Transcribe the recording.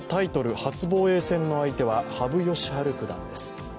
初防衛戦の相手は羽生善治九段です。